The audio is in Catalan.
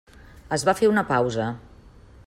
Es va fer una pausa.